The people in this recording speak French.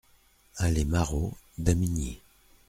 Allée Marot, Damigny